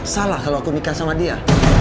salah kalau aku mikah sama dia